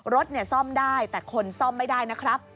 รถซ่อมได้แต่คนซ่อมไม่ได้นะครับ